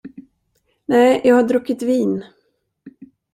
Nej, jag har druckit vin.